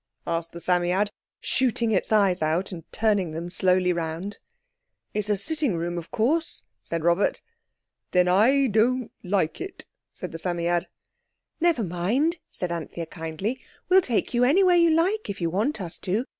asked the Psammead, shooting its eyes out and turning them slowly round. "It's a sitting room, of course," said Robert. "Then I don't like it," said the Psammead. "Never mind," said Anthea kindly; "we'll take you anywhere you like if you want us to.